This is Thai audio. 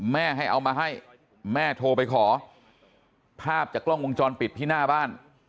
ให้เอามาให้แม่โทรไปขอภาพจากกล้องวงจรปิดที่หน้าบ้าน